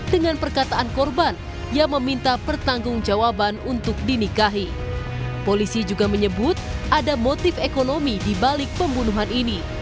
disitulah di lokasi tersebut di kalimalang